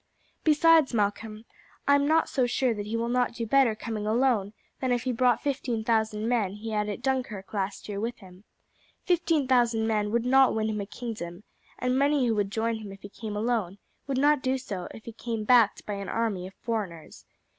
Besides, Malcolm, I am not so sure that he will not do better coming alone than if he brought the fifteen thousand men he had at Dunkirk last year with him. Fifteen thousand men would not win him a kingdom, and many who would join him if he came alone would not do so if he came backed by an army of foreigners.